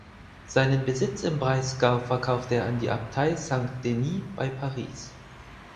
Seinen Besitz im Breisgau verkaufte er an die Abtei Sankt Denis bei Paris.